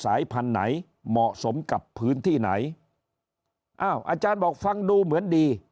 สามารถนืดเหมาะสำถึงกับพื้นที่ในอาจารย์บอกว่าฟังดูเหมือนดี